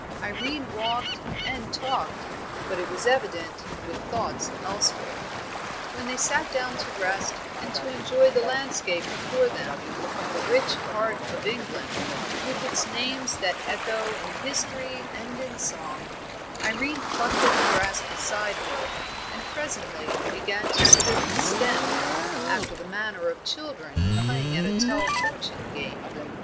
Irene walked, and talked, but it was evident with thoughts elsewhere. When they sat down to rest and to enjoy the landscape before them, the rich heart of England, with its names that echo in history and in song, Irene plucked at the grass beside her, and presently began to strip a stem, after the manner of children playing at a tell fortune game.